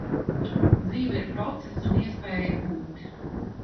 Dzīve ir process un iespēja būt.